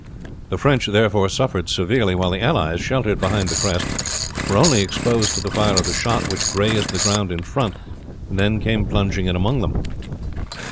The French therefore suffered severely, while the allies, sheltered behind the crest, were only exposed to the fire of the shot which grazed the ground in front, and then came plunging in among them.